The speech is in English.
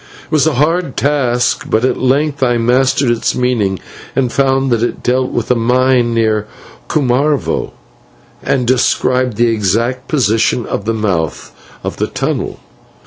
It was a hard task, but at length I mastered its meaning, and found that it dealt with a mine near Cumarvo, and described the exact position of the mouth of the tunnel.